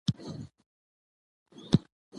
افغانستان د چنګلونه له مخې پېژندل کېږي.